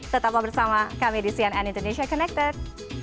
tetaplah bersama kami di cnn indonesia connected